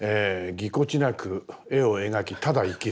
「ぎこちなく絵を描きただ生きる！！」。